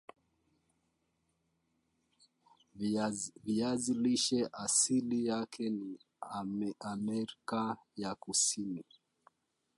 viazi lishe asili yake ni Amerika ya kusini